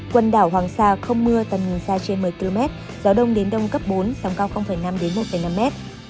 quần đảo hoàng sa không mưa tầm nhìn xa trên một mươi km gió đông đến đông cấp bốn sóng cao năm một năm mét